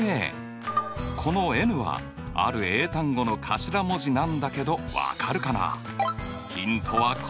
このｎはある英単語の頭文字なんだけど分かるかな？